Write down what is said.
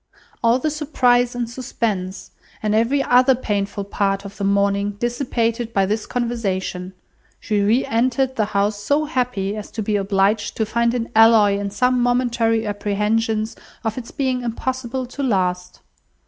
All the surprise and suspense, and every other painful part of the morning dissipated by this conversation, she re entered the house so happy as to be obliged to find an alloy in some momentary apprehensions of its being impossible to last.